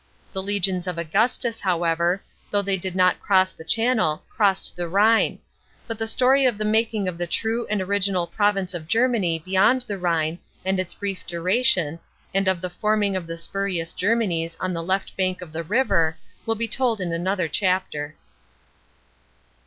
The legions of Augustus, however, though they did not cross the channel, crossed the Rhine; but the story of the making of the true and original province of Germany beyond the Rhine and its brief duration, and of the forming of the spurious Germanics on the left bank of the river, will be told in another chapter.